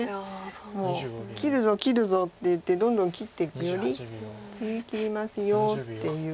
もう「切るぞ切るぞ」って言ってどんどん切っていくより「次切りますよ」っていう。